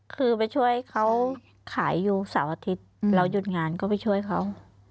คือไปช่วยเขาขายอยู่เสาร์อาทิตย์เราหยุดงานก็ไปช่วยเขา